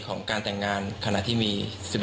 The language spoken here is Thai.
ของการแต่งงานขณะที่มี๑๑